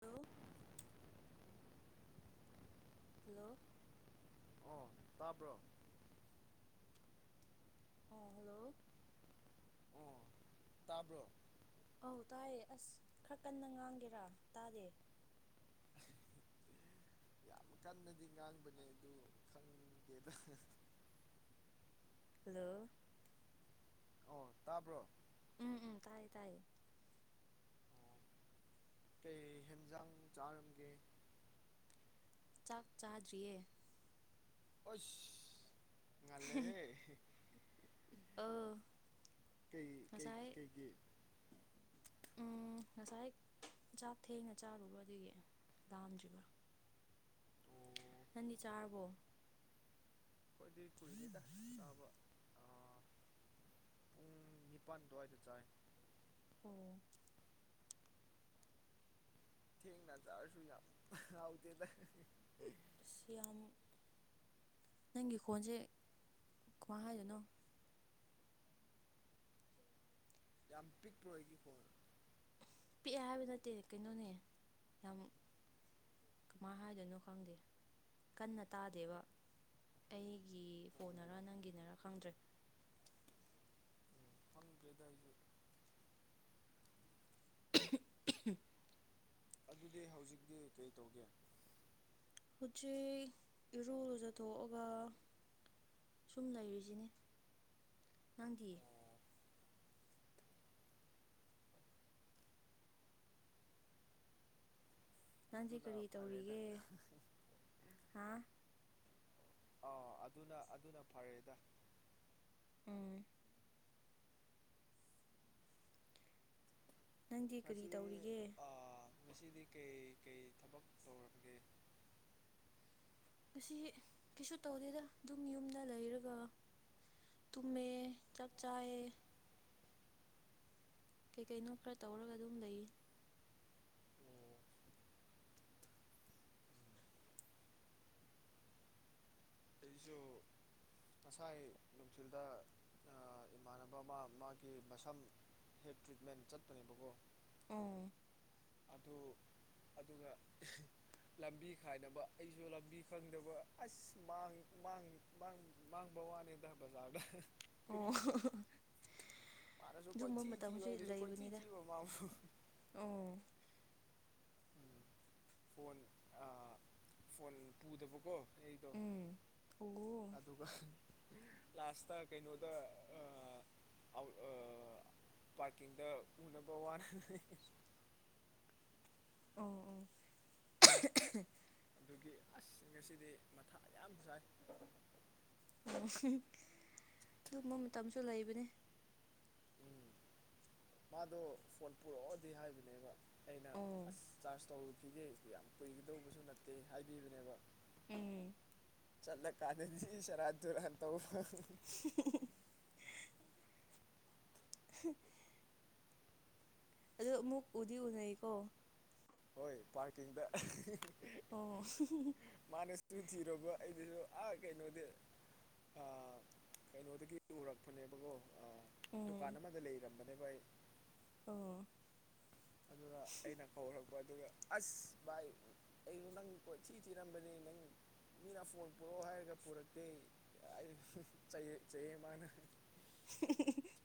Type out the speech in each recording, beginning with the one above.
hello hello hello ꯇꯥꯕ꯭ꯔꯣ ꯑꯥ hello ꯎꯝ ꯇꯥꯕ꯭ꯔꯣ ꯑꯧ ꯇꯥꯏꯌꯦ ꯑꯁ ꯈꯔ ꯀꯟꯅ ꯉꯥꯡꯒꯦꯔꯥ ꯇꯥꯗꯦ ꯀꯟꯅꯗꯤ ꯉꯥꯡꯕꯅꯦ ꯑꯗ ꯈꯪꯗꯦꯗ ꯍꯜꯂꯣ ꯑꯣ ꯇꯥꯕ꯭ꯔꯣ ꯎꯝ ꯎꯝ ꯇꯥꯏꯌꯦ ꯇꯥꯏꯌꯦ ꯑꯣ ꯀꯩ ꯍꯦꯟꯖꯥꯡ ꯆꯥꯔꯝꯒꯦ ꯆꯥꯛ ꯆꯥꯗ꯭ꯔꯤꯌꯦ ꯑꯣꯏꯁ ꯉꯜꯂꯦꯍꯦ ꯑꯥ ꯀꯩ ꯀꯩ ꯉꯁꯥꯏ ꯀꯩꯒꯤ [inaudible] ꯎꯝ ꯉꯁꯥꯏ ꯆꯥꯛ ꯊꯦꯡꯅ ꯆꯥꯔꯨꯕ ꯑꯗꯨꯒꯤ ꯂꯥꯝꯗ꯭ꯔꯤꯕ ꯑꯣ ꯅꯪꯗꯤ ꯆꯥꯔꯕꯣ ꯈꯣꯏꯗꯤ ꯀꯨꯏꯔꯦꯗ ꯆꯥꯕ ꯅꯤꯄꯥꯥꯟ ꯗꯨꯋꯥꯏꯗꯥ ꯆꯥꯏ ꯑꯣ ꯊꯦꯡꯅ ꯆꯥꯔꯁꯨ ꯌꯥꯝ ꯍꯥꯎꯇꯦꯗ ꯊꯤꯌꯥꯝ ꯅꯪꯒꯤ ꯈꯣꯟꯁꯦ ꯀꯨꯃꯥꯏ ꯍꯥꯏꯗꯣꯏꯅꯣ ꯌꯥꯝ ꯄꯤꯛꯄ꯭ꯔꯣ ꯑꯩꯒꯤ ꯈꯣꯟ ꯄꯤꯛꯑꯦ ꯍꯥꯏꯕ ꯅꯠꯇꯦ ꯀꯩꯅꯣꯅꯦ ꯌꯥꯝ ꯀꯃꯥꯏ ꯍꯥꯏꯗꯣꯏꯅꯣ ꯈꯪꯗꯦ ꯀꯟꯅ ꯇꯥꯗꯦꯕ ꯑꯩꯒꯤ ꯑꯣ ꯐꯣꯟꯅꯔ ꯅꯪꯒꯤꯅꯔꯥ ꯈꯪꯗ꯭ꯔꯦ [inaudible] [unintelligible] ꯑꯗꯨꯗꯤ ꯍꯧꯖꯤꯛꯇꯤ ꯀꯩ ꯇꯧꯒꯦ ꯍꯨꯖꯤꯛ ꯏꯔꯨ ꯂꯨꯖꯊꯣꯛꯑꯒꯥ ꯁꯨꯝ ꯂꯩꯔꯤꯖꯤꯅꯤ ꯅꯪꯗꯤ ꯑꯣ ꯅꯪꯗꯤ ꯑꯗꯨꯅ ꯀꯔꯤ ꯐꯔꯦꯗ ꯇꯧꯔꯤꯒꯦ ꯍꯥ ꯑꯣ ꯑꯗꯨꯅ ꯑꯗꯨꯅ ꯐꯔꯦꯗ ꯎꯝ ꯅꯪꯗꯤ ꯀꯔꯤ ꯉꯁꯤ ꯇꯧꯔꯤꯒꯦ ꯑꯥ ꯉꯁꯤꯗꯤ ꯀꯩ ꯀꯩ ꯊꯕꯛ ꯇꯧꯔꯒꯦ ꯉꯁꯤ ꯀꯩꯁꯨ ꯇꯧꯗꯦꯗ ꯑꯗꯨꯝ ꯌꯨꯝꯗ ꯂꯩꯔꯒ ꯇꯨꯝꯃꯦ ꯆꯥꯛ ꯆꯥꯏꯌꯦ ꯀꯩꯀꯩꯅꯣ ꯈꯔ ꯇꯧꯔꯒ ꯑꯗꯨꯝ ꯂꯩꯌꯦ ꯑꯣ ꯑꯩꯖꯨ ꯉꯁꯥꯏ ꯅꯨꯡꯊꯤꯜꯗ ꯑꯥ ꯏꯃꯥꯟꯅꯕ ꯑꯃꯥ ꯃꯥꯒꯤ ꯃꯁꯝ ꯍꯦꯠ ꯇ꯭ꯔꯤꯠꯃꯦꯟ ꯆꯠꯄꯅꯦꯕꯀꯣ ꯑꯣ ꯑꯗꯨ ꯑꯗꯨꯒ ꯂꯝꯕꯤ ꯈꯥꯏꯅꯕ ꯑꯩꯁꯨ ꯂꯝꯕꯤ ꯈꯪꯗꯕ ꯑꯁ ꯃꯥꯡ ꯃꯥꯡ ꯃꯪ ꯃꯥꯡꯕ ꯋꯥꯅꯤꯗ ꯕꯖꯥꯔꯗ ꯑꯣ [unintelligible] ꯃꯥꯅꯁꯨ ꯑꯗꯨꯝꯕ ꯀꯣꯏꯊꯤ ꯊꯤꯕ ꯃꯇꯝꯁꯨ ꯑꯩꯅꯁꯨ ꯀꯣꯏꯊꯤ ꯂꯩꯕꯅꯤꯗ ꯊꯤꯕ ꯃꯥꯐꯨ ꯑꯣ ꯎꯝ ꯐꯣꯟ ꯑꯥ ꯐꯣꯟ ꯄꯨꯗꯕꯀꯣ ꯑꯩꯗꯣ ꯎꯝ ꯑꯣ ꯑꯗꯨꯒ ꯂꯥꯁꯇ ꯀꯩꯅꯣꯗ ꯑꯥ ꯑꯥꯎ ꯑꯥ ꯄꯥꯔꯀꯤꯡꯗ ꯎꯅꯕ ꯋꯥꯅꯦ [unintelligible] ꯑꯣ ꯑꯣ [unintelligible] ꯗꯨꯒꯤ ꯑꯁ ꯉꯁꯤꯗꯤ ꯃꯊꯥ ꯌꯥꯝ ꯁꯥꯏ ꯑꯣ [unintelligible] ꯇꯨꯝꯕ ꯃꯇꯝꯁꯨ ꯂꯩꯕꯅꯦ ꯎꯝ ꯃꯥꯗꯣ ꯐꯣꯟ ꯄꯨꯔꯛꯑꯣꯗꯤ ꯍꯥꯏꯕꯅꯦꯕ ꯑꯩꯅ ꯑꯣ ꯑꯁ ꯆꯥꯔꯖ ꯇꯧꯔꯨꯈꯤꯒꯦ ꯌꯥꯝ ꯀꯨꯏꯒꯗꯧꯕꯁꯨ ꯅꯠꯇꯦ ꯍꯥꯏꯕꯤꯕꯅꯦꯕ ꯎꯝ ꯆꯠꯂ ꯀꯥꯟꯗꯗꯤ ꯁꯦꯔꯥꯟ ꯇꯨꯔꯥꯟ ꯇꯧꯕ [unintelligible] [unintelligible] ꯑꯗꯣ ꯑꯃꯨꯛ ꯎꯗꯤ ꯎꯅꯩꯀꯣ ꯍꯣꯏ ꯄꯥꯔꯀꯤꯡꯗ ꯑꯣ ꯃꯥꯅ [inaudible] ꯊꯤꯔꯨꯕ ꯑꯩꯗꯨꯁꯨ ꯑꯥ ꯀꯩꯅꯣꯗꯤ ꯑꯥ ꯀꯩꯅꯣꯗꯒꯤ ꯎꯔꯛꯄꯅꯦꯕꯀꯣ ꯑꯥ ꯎꯝ ꯗꯨꯀꯥꯟ ꯑꯃꯥꯗ ꯂꯩꯔꯝꯕꯅꯦꯕ ꯑꯩ ꯑꯣ ꯑꯗꯨꯗ ꯑꯩꯅ ꯀꯧꯔꯛ ꯄ ꯑꯗꯨꯒ ꯑꯁ ꯚꯥꯏ ꯑꯩꯅꯣ ꯅꯪ ꯀꯣꯊꯤ ꯊꯤꯔꯝꯕꯅꯦ ꯅꯪ ꯃꯤꯅ ꯐꯣꯟ ꯄꯨꯔꯛꯑꯣ ꯍꯥꯏꯔꯒ ꯄꯨꯔꯛꯇꯦ ꯑꯩꯁꯨ ꯆꯩ ꯆꯩꯌꯦ ꯃꯥꯅ [unintelligible]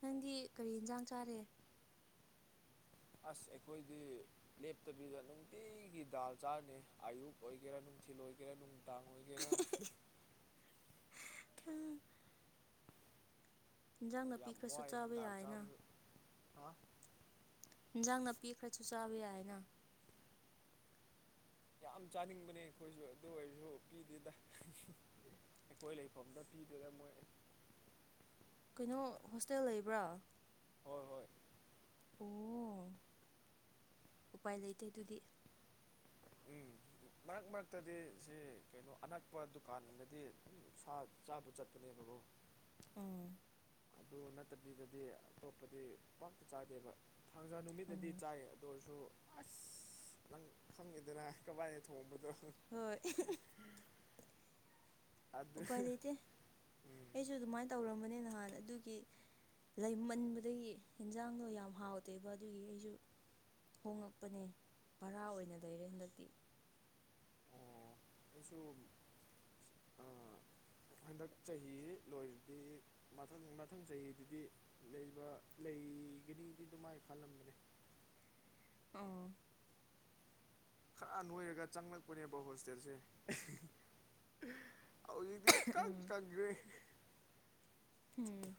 ꯅꯪꯗꯤ ꯀꯔꯤ ꯏꯟꯖꯥꯡ ꯆꯥꯔꯦ ꯑꯁ ꯑꯩꯈꯣꯏꯗꯤ ꯂꯦꯞꯇꯕꯤꯗ ꯅꯨꯡꯇꯤꯒꯤ ꯗꯥꯜ ꯆꯥꯔꯅꯦ ꯑꯌꯨꯛ ꯑꯣꯏꯒꯦꯔꯥ ꯅꯨꯡꯊꯤꯟ ꯑꯣꯏꯒꯦꯔꯥ ꯅꯨꯡ ꯗꯥꯡ ꯑꯣꯏꯒꯦꯔ ꯑꯥ ꯏꯟꯖꯥꯡ ꯅꯥꯄꯤ ꯌꯥꯝ ꯈ꯭ꯔꯁꯨ ꯋꯥꯏ ꯆꯥꯕ ꯗꯥꯜ ꯌꯥꯏꯅ ꯆꯥꯕꯁꯨ ꯍꯥ ꯏꯟꯖꯥꯡ ꯅꯥꯄꯤꯈ꯭ꯔꯁꯨ ꯆꯥꯕ ꯌꯥꯏꯅ ꯌꯥꯝ ꯆꯥꯅꯤꯡꯕꯅꯦ ꯑꯩꯈꯣꯏꯁꯨ ꯑꯗꯨ ꯑꯣꯏꯔꯁꯨ ꯄꯤꯗꯦꯗꯥ ꯑꯩꯈꯣꯏ ꯂꯩꯐꯝꯗ ꯄꯤꯗꯣꯏꯔ ꯃꯣꯏ ꯀꯩꯅꯣ ꯍꯣꯁꯇꯦꯜ ꯂꯩꯕ꯭ꯔꯥ ꯍꯣꯏ ꯍꯣꯏ ꯑꯣ ꯎꯄꯥꯏ ꯂꯩꯇꯦ ꯑꯗꯨꯗꯤ ꯎꯝ [inaudible] ꯃꯔꯛ ꯃꯔꯛꯇꯗꯤ ꯁꯤ ꯀꯩꯅꯣ ꯑꯅꯛꯄ ꯗꯨꯀꯥꯟꯗꯗꯤ ꯁꯥ ꯆꯥꯕ ꯆꯠꯄꯅꯦꯕꯒꫭ ꯎꯝ ꯑꯗꯨ ꯅꯠꯇꯕꯤꯗꯗꯤ ꯑꯇꯣꯞꯄꯗꯤ ꯄꯥꯛ ꯆꯥꯗꯦꯕ ꯊꯥꯡꯖꯥ ꯅꯨꯃꯤꯠꯇꯗꯤ ꯎꯝ ꯆꯥꯏ ꯑꯗꯨ ꯑꯣꯏꯁꯨ ꯑꯁ ꯅꯪ ꯈꯪꯉꯦꯗꯅ ꯀꯃꯥꯏꯅ ꯊꯣꯡꯕꯗꯣ ꯍꯣꯏ ꯑꯗꯨ ꯎꯄꯥꯏ ꯂꯩꯇꯦ ꯎꯝ ꯑꯩꯁꯨ ꯑꯗꯨꯃꯥꯏ ꯇꯧꯔꯝꯕꯅꯦ ꯅꯍꯥꯟ ꯑꯗꯨꯒꯤ ꯂꯩꯃꯟꯕꯗꯒꯤ ꯌꯦꯟꯖꯥꯡꯗꯣ ꯌꯥꯝ ꯍꯥꯎꯇꯦꯕ ꯑꯗꯨꯒꯤ ꯑꯩꯁꯨ ꯍꯣꯉꯛꯄꯅꯦ ꯚꯔꯥ ꯑꯣꯏꯅ ꯂꯩꯔꯦ ꯍꯟꯗꯛꯇꯤ ꯑꯩꯁꯨꯝ [inaudible] ꯍꯟꯗꯛ ꯆꯍꯤ ꯂꯣꯏꯔꯗꯤ ꯃꯊꯪ ꯃꯊꯪ ꯆꯍꯤꯗꯗꯤ ꯂꯩꯕ ꯂꯩꯒꯅꯤꯗꯤ ꯗꯨꯃꯥꯏ ꯈꯜꯂꯝꯕꯅꯦ ꯑꫭ ꯈꯔ ꯅꯣꯏꯔꯒ ꯆꯪꯂꯛꯄꯅꯦꯕ ꯍꯣꯁꯇꯦꯜꯁꯦ ꯍꯧꯖꯤꯛꯇꯤ ꯏꯀꯪ ꯎꯝ ꯀꯪꯈ꯭ꯔꯦ ꯎꯝ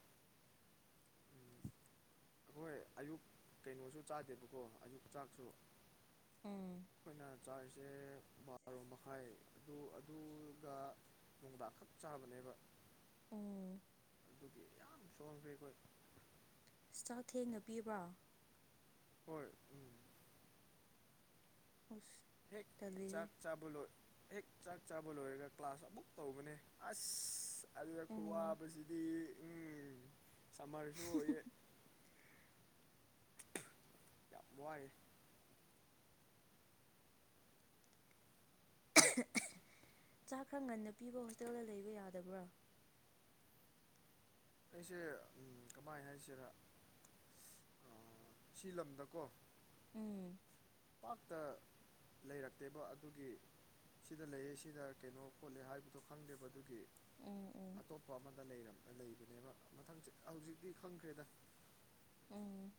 ꯑꯩꯈꯣꯏ ꯑꯌꯨꯛ ꯀꯩꯅꯣꯁꯨ ꯆꯥꯗꯦꯕꯀꯣ ꯑꯌꯨꯛ ꯆꯥꯛꯁꯨ ꯎꯝ ꯑꯩꯈꯣꯏꯅ ꯆꯥꯔꯤꯁꯦ ꯕꯥꯔꯣ ꯃꯈꯥꯏ ꯑꯗꯨ ꯑꯗꯨꯒ ꯅꯨꯡꯗ ꯈꯛ ꯆꯥꯕꯅꯦꯕ ꯎꯝ ꯑꯗꯨꯒꯤ ꯌꯥꯝ ꯁꯣꯟꯈ꯭ꯔꯦ ꯈꯣꯏ ꯆꯥꯛ ꯊꯦꯡꯅ ꯄꯤꯕ꯭ꯔꯣ ꯍꯣꯏ ꯎꯝ ꯑꯁ ꯍꯦꯛ ꯇꯜꯂꯤꯍꯦ ꯆꯥꯛ ꯆꯥꯕ ꯂꯣꯏ ꯍꯦꯛ ꯆꯥꯛ ꯆꯥꯕ ꯂꯣꯏꯔꯒ ꯀ꯭ꯂꯥꯁ ꯑꯃꯨꯛ ꯇꯧꯕꯅꯦ ꯑꯁ ꯑꯗꯨꯗ ꯈꯨ ꯎꯝ ꯋꯥꯕꯁꯤꯗꯤ ꯎꯪ ꯁꯝꯃꯔꯁꯨ ꯑꯣꯏꯌꯦ ꯌꯥꯝ ꯋꯥꯏꯑꯦ ꯆꯥꯛ ꯈꯔ ꯉꯟꯅ ꯄꯤꯕ ꯍꯣꯁꯇꯦꯜꯗ ꯂꯩꯕ ꯌꯥꯗꯕ꯭ꯔꯥ ꯑꯩꯁꯦ ꯎꯝ ꯀꯃꯥꯏ ꯍꯥꯏꯁꯤꯔꯥ ꯁꯤ ꯂꯝꯗꯀꯣ ꯎꯝ ꯄꯥꯛꯇ ꯂꯩꯔꯛꯇꯦꯕ ꯑꯗꯨꯒꯤ ꯁꯤꯗ ꯂꯩꯌꯦ ꯁꯤꯗ ꯀꯩꯅꯣ ꯈꯣꯠꯂꯦ ꯍꯥꯏꯕꯗꯣ ꯈꯪꯗꯦꯕ ꯑꯗꯨꯒꯤ ꯎꯝ ꯎꯝ ꯑꯇꯣꯞꯄ ꯑꯃꯗ ꯂꯩꯕꯅꯦꯕ ꯃꯊꯪ ꯍꯧꯖꯤꯛꯇꯤ ꯈꯪꯈ꯭ꯔꯦꯗ ꯎꯝ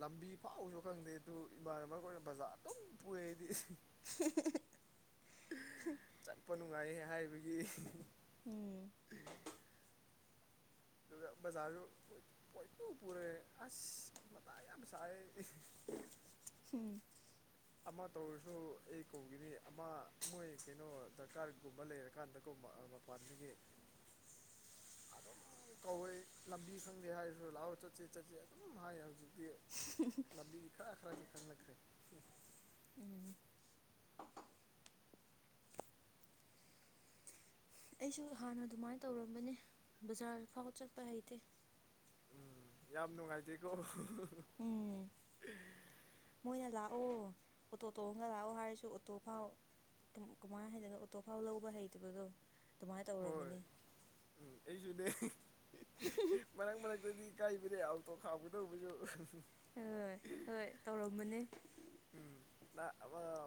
ꯂꯝꯕꯤ ꯐꯥꯎꯁꯨ ꯈꯪꯗꯦ ꯑꯗꯨ ꯏꯃꯥꯟꯅꯕ ꯑꯣꯏꯅ ꯕꯖꯥꯔ ꯑꯗꯨꯝ ꯄꯨꯌꯦ ꯑꯩꯗꯤ [unintelligible] ꯆꯠꯄ ꯅꯨꯡꯉꯥꯏꯌꯦ ꯍꯥꯏꯕꯒꯤ ꯎꯝ ꯑꯗꯨꯒ ꯕꯖꯥꯔꯁꯨ ꯄꯣꯏꯠꯇꯨ ꯄꯨꯔꯦ ꯑꯁ ꯃꯇꯥ ꯌꯥꯝ ꯁꯥꯏ ꯑꯩꯗꯤ ꯎꯝ ꯑꯃ ꯇꯧꯔꯁꯨ ꯑꯩ ꯀꯧꯈꯤꯅꯤ ꯑꯃ ꯃꯣꯏ ꯀꯩꯅꯣ ꯗꯔꯀꯥꯔꯒꯨꯝꯕ ꯂꯩꯔꯀꯥꯟꯗ ꯀꯧꯕ ꯄꯥꯟꯕꯒꯤ [inaudible] ꯑꯗꯨꯝ ꯀꯧꯋꯦ ꯂꯝꯕꯤ ꯈꯪꯗꯦ ꯍꯥꯏꯔꯁꯨ ꯂꯥꯛꯑꯣ ꯆꯠꯁꯦ ꯆꯠꯁꯦ ꯑꯗꯨꯝ ꯍꯥꯏ ꯍꯧꯖꯤꯛ ꯂꯝꯕꯤ ꯈꯔ ꯈ꯭ꯔꯥꯗꯤ ꯈꯪꯂꯛꯈ꯭ꯔꯦ ꯎꯝ ꯑꯩꯁꯨ ꯍꯥꯟꯅ ꯑꯗꯨꯃꯥꯏꯅ ꯇꯧꯔꯝꯕꯅꯦ ꯕꯖꯥꯔ ꯐꯥꯎꯕ ꯆꯠꯄ ꯍꯩꯇꯦ ꯎꯝ ꯌꯥꯝ ꯅꯨꯡꯉꯥꯏꯇꯦꯀꯣ ꯎꯝ ꯃꯣꯏꯅ ꯂꯥꯛꯑꯣ ꯑꯣꯇꯣ ꯇꯣꯡꯑꯒ ꯂꯥꯛꯑꯣ ꯍꯥꯏꯔꯁꯨ ꯑꯣꯇꯣ ꯐꯥꯎ ꯀꯃꯥꯏꯅ ꯍꯥꯏꯗꯣꯅꯣ ꯑꯣꯇꯣ ꯐꯥꯎ ꯂꯧꯕ ꯍꯩꯇꯕꯗꯣ ꯑꯗꯨꯃꯥꯏꯅ ꯍꯣꯏ ꯇꯧꯔꯝꯕꯅꯤ ꯎꯝ ꯑꯩꯁꯨꯅꯦ ꯃꯔꯛ ꯃꯔꯛꯇꯗꯤ ꯏꯀꯥꯏꯕꯅꯦ ꯑꯣꯇꯣ ꯈꯥꯝꯒꯗꯧꯕꯁꯨ ꯍꯣꯏ ꯇꯧꯔꯝꯃꯅꯤ ꯎꯝ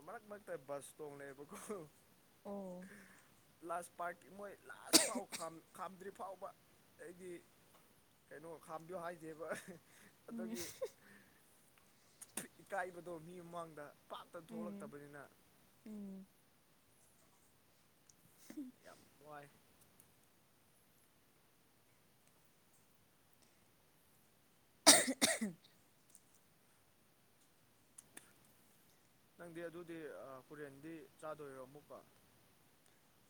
ꯃꯔꯛ ꯃꯔꯛꯇ ꯕꯁ ꯇꯣꯡꯂꯦꯕꯀꯣ ꯑꯣ ꯂꯥꯁ ꯄꯥꯔꯀꯤꯤ ꯃꯣꯏ ꯂꯥꯁ ꯐꯥꯎ ꯈꯥꯝꯗ꯭ꯔꯤ ꯐꯥꯎꯕ ꯑꯩꯗꯤ ꯀꯩꯅꯣ ꯈꯥꯝꯕꯤꯌꯣ ꯍꯥꯏꯗꯦꯕ ꯎꯝ ꯑꯗꯨꯒꯤ ꯏꯀꯥꯏꯕꯗꯣ ꯃꯤ ꯃꯃꯥꯡꯗ ꯄꯥꯛꯇ ꯎꯝ ꯊꯣꯛꯂꯛꯇꯕꯅꯤꯅ ꯎꯝ ꯌꯥꯝ ꯋꯥꯏ [unintelligible] ꯅꯪꯗꯤ ꯑꯗꯨꯗꯤ ꯍꯨꯔꯦꯟꯗꯤ ꯆꯥꯗꯣꯏꯔꯣ ꯑꯃꯨꯛꯀ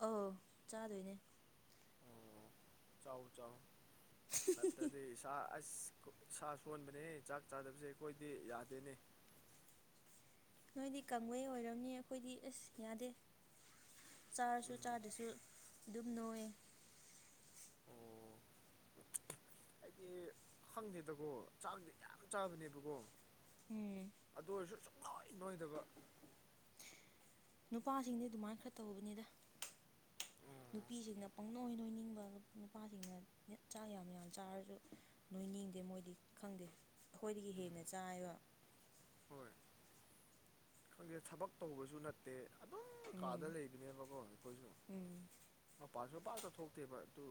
ꯑꯧ ꯆꯥꯗꯣꯏꯅꯦ ꯑꯣ ꯆꯥꯎ ꯆꯥꯎ ꯑꯗꯤ ꯏꯁꯥ ꯑꯁ ꯀꯣ ꯏꯁꯥ ꯁꯣꯟꯕꯅꯦꯍꯦ ꯆꯥꯛ ꯆꯥꯗꯕꯁꯦ ꯑꯩꯈꯣꯏꯗꯤ ꯌꯥꯗꯦꯅꯦ ꯅꯣꯏꯗꯤ ꯀꯡꯕꯩ ꯑꯣꯏꯔꯝꯅꯤ ꯑꯈꯣꯏꯗꯤ ꯑꯁ ꯌꯥꯗꯦ ꯆꯥꯔꯁꯨ ꯎꯝ ꯆꯥꯗ꯭ꯔꯁꯨ ꯑꯗꯨꯝ ꯅꯣꯏꯑꯦ ꯑꯣ [unintelligible] ꯑꯩꯗꯤ ꯈꯪꯗꯦꯗꯀꯣ ꯆꯥꯛꯗꯤ ꯌꯥꯝ ꯆꯥꯕꯅꯦꯕꯀꯣ ꯎꯝ ꯑꯗꯨ ꯑꯣꯏꯔꯁꯨ ꯁꯨꯡꯅꯣꯏ ꯅꯣꯏꯗꯕ ꯅꯨꯄꯥꯁꯤꯡꯗꯤ ꯑꯗꯨꯃꯥꯏ ꯈꯔ ꯇꯧꯕꯅꯤꯗ ꯎꯝ ꯅꯨꯄꯤꯁꯤꯡꯅ ꯄꯪꯅꯣꯏ ꯅꯣꯏꯅꯤꯡꯕ ꯅꯨꯞ ꯅꯨꯄꯥꯁꯤꯡꯅ ꯆꯥꯛ ꯌꯥꯝ ꯌꯥꯝ ꯆꯥꯔꯁꯨ ꯅꯣꯏꯅꯤꯡꯗꯦ ꯃꯣꯏꯗꯤ ꯈꯪꯗꯦ ꯑꯈꯣꯏꯗꯒꯤ ꯍꯦꯟꯅ ꯎꯝ ꯆꯥꯏꯑꯦꯕ ꯍꯣꯏ ꯈꯪꯗꯦ ꯊꯕꯛ ꯇꯧꯕꯁꯨ ꯅꯠ ꯇꯦ ꯑꯗꯨꯝ ꯎꯝ ꯀꯥꯗ ꯂꯩꯕꯅꯦꯕꯀꯣ ꯑꯩꯈꯣꯏꯁꯨ ꯎꯝ ꯃꯄꯥꯥꯟꯁꯨ ꯄꯥꯛꯅ ꯊꯣꯛꯇꯦꯕ ꯑꯗꯨ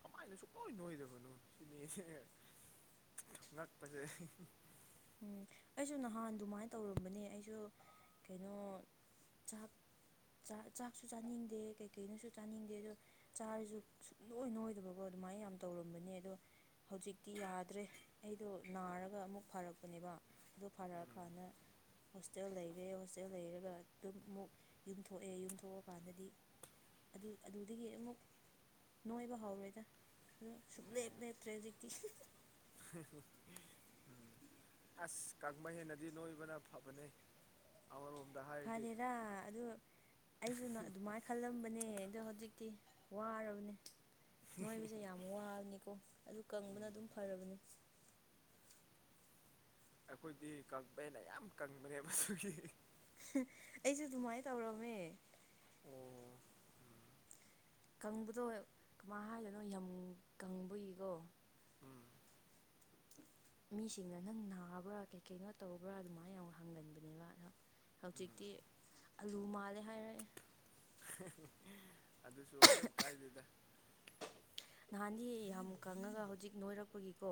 ꯀꯃꯥꯏꯅ ꯁꯨꯡꯅꯣꯏ ꯅꯣꯏꯗꯕꯅꯣ [unintelligible] [unintelligible] ꯉꯥꯛꯄꯁꯦ [unintelligible] ꯎꯝ ꯑꯩꯁꯨ ꯅꯍꯥꯟ ꯑꯗꯨꯃꯥꯏ ꯇꯧꯔꯝꯕꯅꯦ ꯑꯩꯁꯨ ꯀꯩꯅꯣ ꯆꯥꯛ ꯆꯥꯛ ꯆꯥꯛꯁꯨ ꯆꯥꯅꯤꯡꯗꯦ ꯀꯩ ꯀꯩꯅꯣꯁꯨ ꯆꯥꯅꯤꯡꯗꯦ ꯑꯗꯣ ꯆꯥꯔꯁꯨ ꯁꯨꯡꯅꯣꯏ ꯅꯣꯏꯗꯕꯀꯣ ꯑꯗꯨꯃꯥꯏ ꯌꯥꯝ ꯇꯧꯔꯝꯕꯅꯦ ꯑꯗꯣ ꯍꯧꯖꯤꯛꯇꯤ ꯌꯥꯗ꯭ꯔꯦ ꯑꯩꯗꯣ ꯅꯥꯔꯒ ꯑꯃꯨꯛ ꯐꯔꯛ ꯄꯅꯦꯕ ꯑꯗꯨ ꯎꯝ ꯐꯔꯛꯑꯀꯥꯟꯗ ꯍꯣꯁꯇꯦꯜ ꯂꯩꯔꯦ ꯍꯣꯁꯇꯦꯜ ꯂꯩꯔꯒ ꯑꯗꯨꯝ ꯃꯨꯛ ꯌꯨꯝꯊꯣꯛꯑꯦ ꯌꯨꯝꯊꯣꯛꯑꯀꯥꯟꯗꯗꯤ ꯑꯗꯨ ꯑꯗꯨꯗꯒꯤ ꯑꯃꯨꯛ ꯅꯣꯏꯕ ꯍꯧꯔꯦꯗ ꯑꯗꯨ ꯑꯣ ꯁꯨꯡꯂꯦꯞ ꯂꯦꯞꯇ꯭ꯔꯦ ꯍꯧꯖꯤꯛꯇꯤ [unintelligible] [unintelligible] ꯑꯁ ꯀꯪꯕ ꯍꯦꯟꯅꯗꯤ ꯅꯣꯏꯕꯅ ꯐꯕꯅꯦ ꯑꯃꯔꯣꯝꯗ ꯍꯥꯏ ꯐꯗꯦꯗ ꯑꯗꯨ ꯑꯩꯁꯨꯅ ꯑꯗꯨꯃꯥꯏ ꯈꯜꯂꯝꯕꯅꯦ ꯑꯗꯣ ꯍꯧꯖꯤꯛꯇꯤ ꯋꯥꯔꯕꯅꯦ ꯅꯣꯏꯕꯁꯦ ꯌꯥꯝ ꯋꯥꯕꯅꯤꯀꯣ ꯑꯗꯨ ꯀꯪꯕꯅ ꯎꯝ ꯑꯗꯨꯝ ꯐꯔꯕꯅꯦ ꯑꯩꯈꯣꯏꯗꯤ ꯀꯥꯡꯄꯩꯅ ꯌꯥꯝ ꯀꯪꯕꯅꯦꯕ ꯑꯗꯨꯒꯤ [unintelligible] ꯑꯩꯁꯨ ꯑꯗꯨꯃꯥꯏ ꯇꯧꯔꯝꯃꯦ ꯑꯣ ꯀꯪꯕꯗꯣ ꯀꯃꯥꯏ ꯍꯥꯏꯗꯣꯏꯅꯣ ꯌꯥꯝ ꯀꯪꯕꯒꯤꯀꯣ ꯎꯝ ꯃꯤꯁꯤꯡꯅ ꯅꯪ ꯅꯥꯕ꯭ꯔꯥ ꯀꯩ ꯀꯩꯅꯣ ꯇꯧꯕ꯭ꯔꯥ ꯑꯗꯨꯃꯥꯏ ꯌꯥꯝ ꯍꯪꯒꯟꯕꯅꯦꯕ ꯑꯗꯣ ꯎꯝ ꯍꯧꯖꯤꯛꯇꯤ ꯑꯂꯨ ꯃꯥꯜꯂꯦ ꯍꯥꯏꯔꯛꯑꯦ [unintelligible] ꯑꯗꯨꯁꯨ ꯀꯩꯝ ꯀꯥꯏꯗꯦꯗ ꯅꯍꯥꯟꯗꯤ ꯌꯥꯝ ꯀꯪꯉꯒ ꯍꯧꯖꯤꯛ ꯅꯣꯏꯔꯛꯄꯒꯤꯀꯣ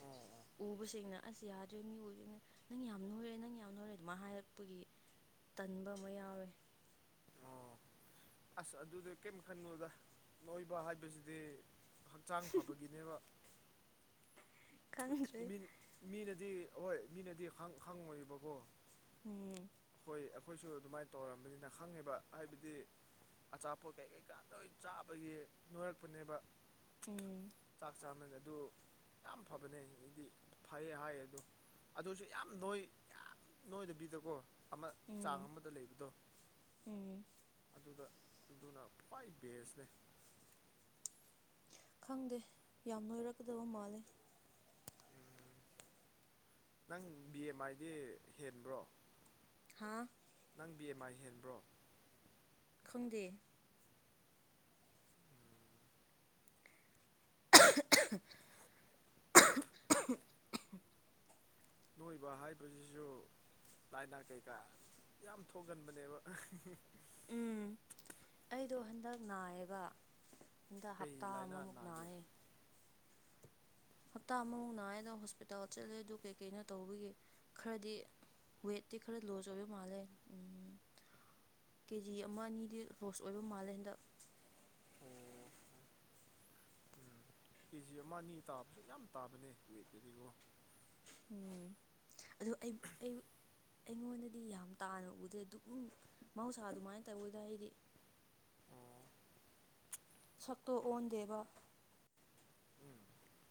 ꯑꯣ ꯑꯣ ꯎꯕꯁꯤꯡꯅ ꯑꯁ ꯌꯥꯗ꯭ꯔꯦ ꯃꯤ ꯎꯕꯖꯤꯡꯅ ꯅꯪ ꯌꯥꯝ ꯅꯣꯏꯔꯦ ꯅꯪ ꯌꯥꯝ ꯅꯣꯏꯔꯦ ꯑꯗꯨꯃꯥꯢ ꯍꯥꯏꯔꯛꯄꯒꯤ ꯇꯟꯕ ꯑꯃ ꯌꯥꯎꯔꯦ ꯑꯣ ꯑꯁ ꯑꯗꯨꯗ ꯀꯩꯝ ꯈꯟꯅꯣꯗ ꯅꯣꯏꯕ ꯍꯥꯏꯕꯁꯤꯗꯤ ꯍꯛꯆꯥꯡ ꯐꯕꯒꯤꯅꯦꯕ [unintelligible] ꯈꯪꯗ꯭ꯔꯦ ꯃꯤ ꯃꯤꯅꯗꯤ ꯍꯣꯏ ꯃꯤꯅꯗꯤ ꯈꯪ ꯈꯪꯉꯣꯏꯑꯕꯀꯣ ꯎꯝ ꯍꯣꯏ ꯑꯩꯈꯣꯏꯁꯨ ꯑꯗꯨꯃꯥꯏ ꯇꯧꯔꯝꯕꯅꯤꯅ ꯈꯪꯉꯦꯕ ꯍꯥꯏꯕꯗꯤ ꯑꯆꯥꯄꯣꯠ ꯀꯩ ꯀꯩꯀꯥ ꯂꯣꯏ ꯆꯥꯕꯒꯤ ꯅꯣꯏꯔꯛꯄꯅꯦꯕ ꯎꯝ [unintelligible] ꯆꯥꯛ ꯆꯥꯅꯅ ꯑꯗꯨ ꯌꯥꯝ ꯐꯕꯅꯦ ꯑꯩꯗꯤ ꯐꯩꯌꯦ ꯍꯥꯏꯌꯦ ꯑꯗꯨ ꯑꯗꯨꯁꯨ ꯌꯥꯝ ꯅꯣꯏ ꯌꯥꯝ ꯅꯣꯏꯗꯕꯤꯗꯀꯣ ꯑꯃ ꯆꯥꯡ ꯎꯝ ꯑꯃꯗ ꯂꯩꯕꯗꯣ ꯎꯝ ꯑꯗꯨꯒ ꯑꯗꯨꯅ ꯈ꯭ꯋꯥꯏ ꯕꯦꯁꯅꯦ ꯈꯪꯗꯦ ꯌꯥꯝ ꯅꯣꯏꯔꯛꯀꯗꯕ ꯃꯥꯜꯂꯦ ꯎꯝ ꯅꯪ ꯕꯤ ꯑꯦꯝ ꯑꯥꯏꯗꯤ ꯍꯦꯟꯕ꯭ꯔꯣ ꯍꯥꯥ ꯅꯪ ꯕꯤ ꯑꯦꯝ ꯃꯥꯏ ꯍꯦꯟꯕ꯭ꯔꯣ ꯈꯪꯗꯦ [unintelligible] ꯅꯣꯏꯕ ꯍꯥꯏꯕꯖꯤꯖꯨ ꯂꯥꯏꯅꯥ ꯀꯩꯀꯥ ꯌꯥꯝ ꯊꯣꯛꯒꯟꯕꯅꯦꯕ ꯎꯝ ꯑꯩꯗꯣ ꯍꯟꯗꯥꯛ ꯅꯥꯏꯌꯦꯕ ꯍꯟꯗꯥꯛ ꯀꯩ ꯍꯞꯇꯥ ꯂꯥꯏꯅꯥ ꯑꯃꯃꯨꯛ ꯅꯥꯒꯦ ꯅꯥꯏꯌꯦ ꯍꯞꯇꯥ ꯑꯃꯃꯨꯛ ꯅꯥꯏꯌꯦ ꯑꯗꯣ ꯍꯣꯁꯄꯤꯇꯥꯜ ꯆꯠꯂꯦ ꯑꯗꯨ ꯀꯩꯀꯩꯅꯣ ꯇꯧꯕꯒꯤ ꯈꯔꯗꯤ ꯋꯦꯠꯇꯤ ꯈꯔ ꯂꯣꯁ ꯑꯣꯏꯕ ꯃꯥꯜꯂꯦ ꯎꯝ ꯀꯦ ꯖꯤ ꯑꯃ ꯑꯅꯤꯗꯤ ꯂꯣꯁ ꯑꯣꯏꯕ ꯃꯥꯜꯂꯦ ꯍꯟꯗꯛ ꯑꯣ [unintelligible] ꯎꯝ ꯀꯦꯖꯤ ꯑꯃ ꯑꯅꯤ ꯇꯥꯕꯁꯨ ꯌꯥꯝ ꯇꯥꯕꯅꯦ ꯋꯦꯠꯇꯗꯤꯀꯣ ꯎꯝ ꯑꯗꯨ ꯑꯩ ꯑꯩ ꯑꯩꯉꯣꯟꯗꯗꯤ ꯌꯥꯝ ꯇꯥꯅ ꯎꯗ꯭ꯔꯦ ꯑꯗꯨꯝ ꯃꯍꯧꯁꯥ ꯑꯗꯨꯃꯥꯏ ꯇꯧꯋꯦꯗ ꯑꯩꯗꯤ ꯑꯣ ꯁꯛꯇꯣ ꯍꯣꯏ ꯑꯣꯟꯗꯦꯕ ꯎꯝ